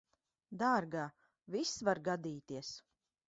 Dārgā, viss var gadīties.